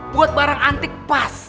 buat barang antik pas